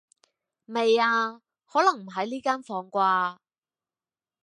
未啊，可能唔喺呢間房啩